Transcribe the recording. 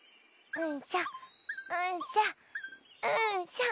うんしょ！